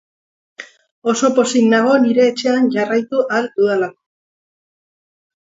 Oso pozik nago nire etxean jarraitu ahal dudalako.